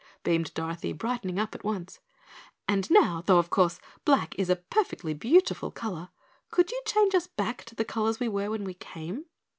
beamed Dorothy, brightening up at once. "And now, though of course black is a perfectly beautiful color, could you change us back to the colors we were when we came?"